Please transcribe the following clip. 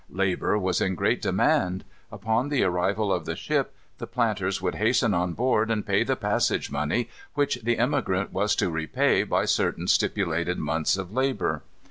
Labor was in great demand. Upon the arrival of the ship the planters would hasten on board and pay the passage money, which the emigrant was to repay by certain stipulated months of labor.